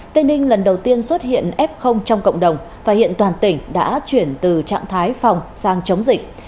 tây ninh lần đầu tiên xuất hiện f trong cộng đồng và hiện toàn tỉnh đã chuyển từ trạng thái phòng sang chống dịch